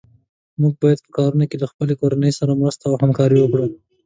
موږ باید په کارونو کې له خپلې کورنۍ سره مرسته او همکاري وکړو.